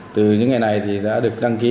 từ những ngày này đã được đăng ký